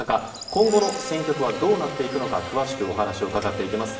今後の戦局はどうなっていくのか詳しくお話を伺っていきます。